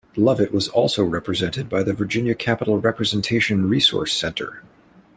Lovitt was also represented by the Virginia Capital Representation Resource Center.